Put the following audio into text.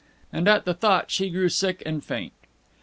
And at the thought she grew sick and faint.